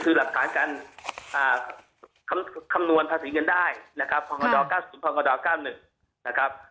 คือหลักฐานการคำนวณภาษีเงินได้นะครับพงด๙๐พกด๙๑นะครับ